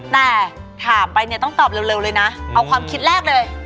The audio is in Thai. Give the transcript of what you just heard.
แต่ถามไปเนี่ยต้องตอบเร็วเลยนะเอาความคิดแรกเลย